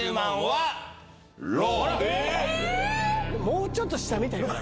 もうちょっと下みたい。